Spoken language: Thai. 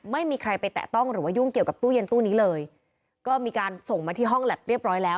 ไม่มีใครไปแตะต้องหรือว่ายุ่งเกี่ยวกับตู้เย็นตู้นี้เลยก็มีการส่งมาที่ห้องแล็บเรียบร้อยแล้ว